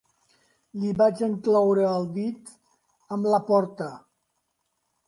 Li vaig encloure el dit amb la porta.